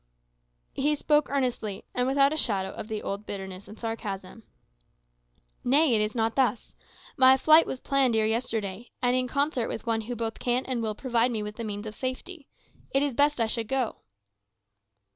He spoke earnestly, and without a shadow of the old bitterness and sarcasm. "Nay, it is not thus. My flight was planned ere yesterday; and in concert with one who both can and will provide me with the means of safety. It is best I should go."